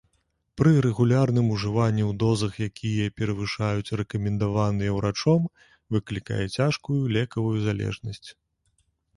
Пры рэгулярным ужыванні ў дозах, якія перавышаюць рэкамендаваныя ўрачом, выклікае цяжкую лекавую залежнасць.